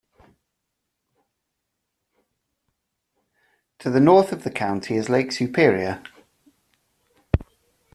To the north of the county is Lake Superior.